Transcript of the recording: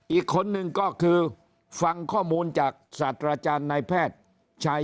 อีกคนนึงก็คือฟังข้อมูลจากศาสตราจารย์นายแพทย์ชัย